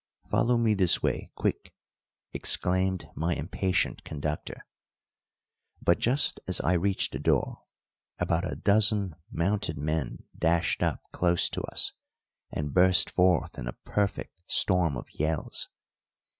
"Follow me this way quick," exclaimed my impatient conductor; but just as I reached the door about a dozen mounted men dashed up close to us and burst forth in a perfect storm of yells.